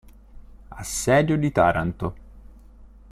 Assedio di Taranto